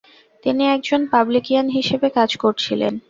তিনি একজন পাবলিকান হিসাবে কাজ করছিলেন।